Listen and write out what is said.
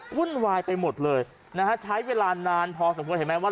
วุ่นวายไปหมดเลยนะฮะใช้เวลานานพอสมควรเห็นไหมว่า